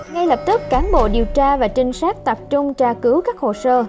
ngay lập tức cán bộ điều tra và trinh sát tập trung tra cứu các hồ sơ